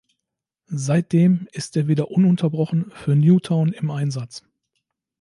Seitdem ist er wieder ununterbrochen für Newtown im Einsatz.